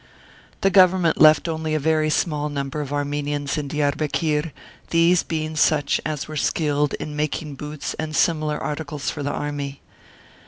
The Government left only a very small number of Armenians in Diarbekir, these being such as were skilled in making boots and similar articles for the army.